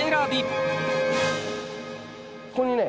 ここにね